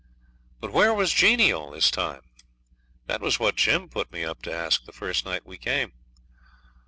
But where was Jeanie all this time? That was what Jim put me up to ask the first night we came.